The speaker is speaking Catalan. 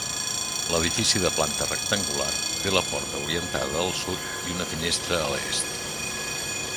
L'edifici de planta rectangular, té la porta orientada al sud i una finestra a l'est.